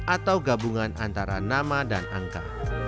atau gabungan antara nama dan angka